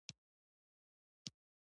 سارا خپلې ګرالبې وتړلې.